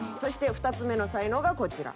２つ目の才能がこちら。